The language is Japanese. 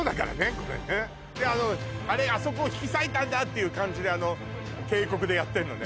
あのあれあそこを引き裂いたんだっていう感じであの渓谷でやってんのね